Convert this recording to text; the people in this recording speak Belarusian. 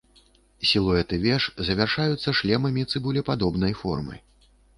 Сілуэты веж завяршаюцца шлемамі цыбулепадобнай формы.